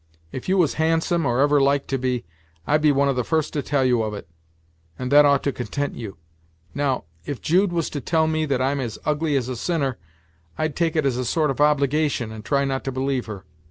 If you was handsome, or ever like to be, I'd be one of the first to tell you of it; and that ought to content you. Now, if Jude was to tell me that I'm as ugly as a sinner, I'd take it as a sort of obligation, and try not to believe her."